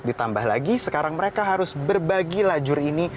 ditambah lagi sekarang mereka harus berbagi lajur ini